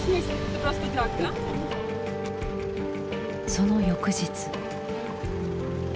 その翌日。